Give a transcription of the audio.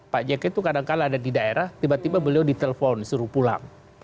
pak jk itu kadangkala ada di daerah tiba tiba beliau ditelepon suruh pulang